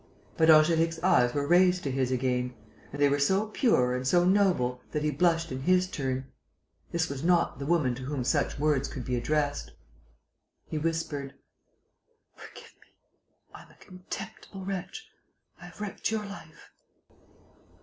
But Angélique's eyes were raised to his again; and they were so pure and so noble that he blushed in his turn. This was not the woman to whom such words could be addressed. He whispered: "Forgive me.... I am a contemptible wretch.... I have wrecked your life...."